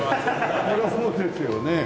そりゃそうですよね。